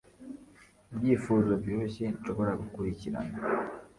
ibyifuzo byoroshye nshobora gukurikirana